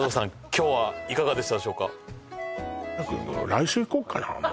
今日はいかがでしたでしょうか？